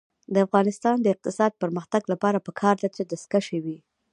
د افغانستان د اقتصادي پرمختګ لپاره پکار ده چې دستکشې وي.